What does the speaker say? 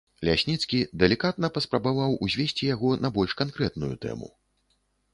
Лясніцкі далікатна паспрабаваў узвесці яго на больш канкрэтную тэму.